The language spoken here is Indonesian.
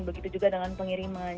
begitu juga dengan pengiriman